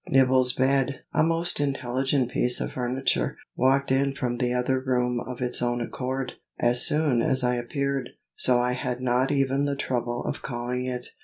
Nibble's bed, a most intelligent piece of furniture, walked in from the other room of its own accord, as soon as I appeared, so I had not even the trouble of calling it.